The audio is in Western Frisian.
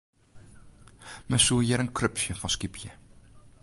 Men soe hjir in krupsje fan skypje.